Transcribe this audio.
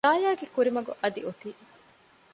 ޒާޔާގެ ކުރިމަގު އަދި އޮތީ